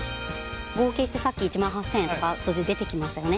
合計してさっき１万８，０００円とか数字出てきましたよね。